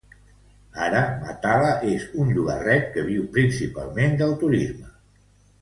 Ara Matala és un llogarret que viu principalment del turisme.